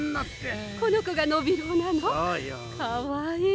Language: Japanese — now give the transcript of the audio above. かわいい！